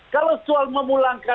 kalau soal memulangkan